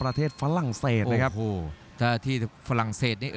รับทราบบรรดาศักดิ์